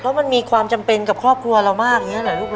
เพราะมันมีความจำเป็นกับครอบครัวเรามากอย่างนี้เหรอลูก